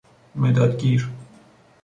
مداد گیر